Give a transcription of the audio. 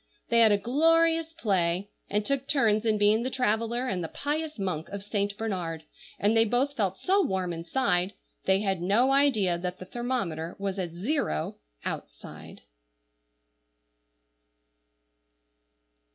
They had a glorious play, and took turns in being the traveller and the pious monk of Saint Bernard; and they both felt so warm inside, they had no idea that the thermometer was at zero outside.